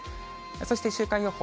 そして週間予報。